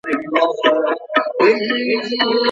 د طلاق حق له هغه چا سره دی، چي د جماع واک ورسره وي.